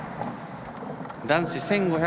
男子１５００